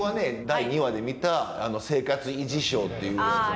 第２話で見た「生活維持省」っていうやつで。